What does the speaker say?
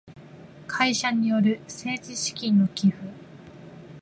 会社による政治資金の寄付